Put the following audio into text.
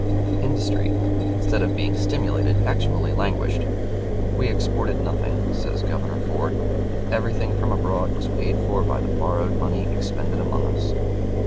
Industry, instead of being stimulated, actually languished. We exported nothing," says Governor Ford, "and everything from abroad was paid for by the borrowed money expended among us."